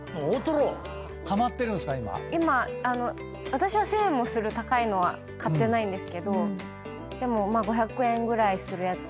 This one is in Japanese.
私は１，０００円もする高いのは買ってないんですけどでも５００円ぐらいするやつ